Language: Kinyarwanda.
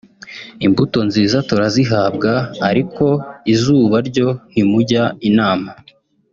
imbuto nziza turazihabwa ariko izuba ryo ntimujya inama"